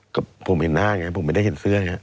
ก็ผมเห็นหน้าไงผมไม่ได้เห็นเสื้อไง